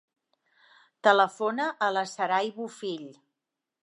Telefona a la Saray Bofill.